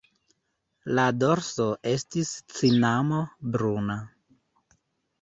La dorso estis cinamo-bruna.